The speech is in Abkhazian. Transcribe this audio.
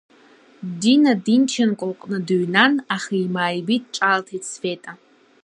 Дина Динченко лҟны дыҩнан, аха имааибит, ҿаалҭит Света.